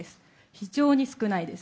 非常に少ないです。